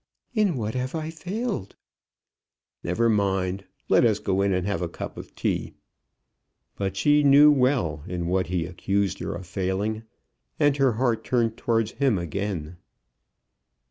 "In what have I failed?" "Never mind. Let us go in and have a cup of tea." But she knew well in what he accused her of failing, and her heart turned towards him again.